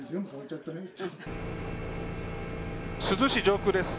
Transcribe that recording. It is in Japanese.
珠洲市上空です。